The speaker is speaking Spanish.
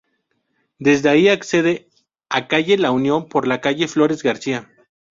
Desde ahí accede a calle La Unión por la calle Flores García.